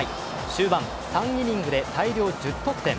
終盤３イニングで大量１０得点。